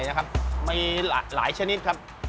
มายายละหลายชนิดครับ